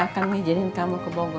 mak gak akan ngejarin kamu ke bogor